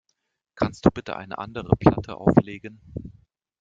Kannst du bitte eine andere Platte auflegen?